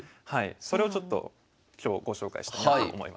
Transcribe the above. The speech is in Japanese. それをちょっと今日ご紹介したいなと思います。